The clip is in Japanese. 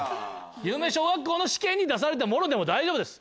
有名小学校の試験に出されたものでも大丈夫です。